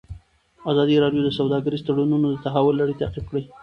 ازادي راډیو د سوداګریز تړونونه د تحول لړۍ تعقیب کړې.